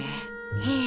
ええ。